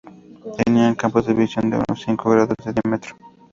Tenían campos de visión de unos cinco grados de diámetro.